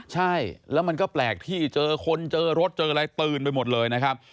ใช่แล้วมันก็แปลกที่เจอคนเจอรถเจออะไรตื่นไปหมดเลยนะครับ